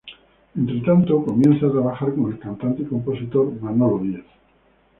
Entretanto comienza a trabajar con el cantante y compositor Manolo Díaz.